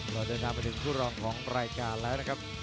เราเดินทางไปถึงคู่รองของรายการแล้วนะครับ